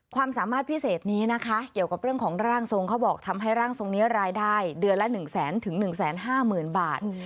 ความสามารถพิเศษนี้นะคะเกี่ยวกับเรื่องของร่างทรงเขาบอกทำให้ร่างทรงนี้รายได้เดือนละ๑แสนถึง๑๕๐๐๐บาท